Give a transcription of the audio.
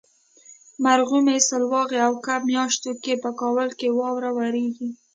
مرغومي ، سلواغې او کب میاشتو کې په کابل کې واوره وریږي.